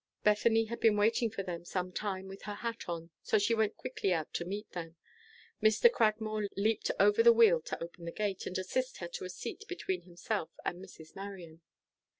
Bethany had been waiting for them some time with her hat on, so she went quickly out to meet them. Mr. Cragmore leaped over the wheel to open the gate, and assist her to a seat between himself and Mrs. Marion.